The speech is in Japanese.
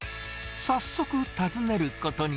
早速、訪ねることに。